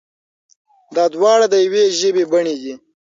دا دواړه د يوې ژبې بڼې دي.